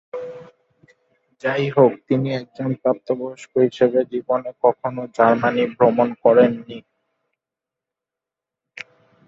যাইহোক, তিনি একজন প্রাপ্ত বয়স্ক হিসাবে জীবনে কখনও জার্মানি ভ্রমণ করেন নি।